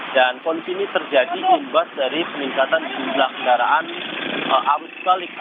dan kondisi ini terjadi berubah dari peningkatan jumlah kendaraan arus balik